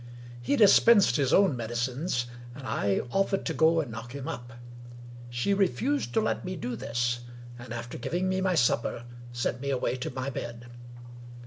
He dispensed his own medicines, and I offered to go and knock him up. She refused to let me do this ; and, after giving me my supper, sent me away to my bed.